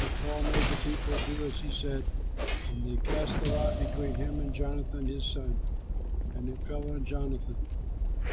But Saul made the people do as he said, and they cast the lot between him and Jonathan his son; and it fell on Jonathan.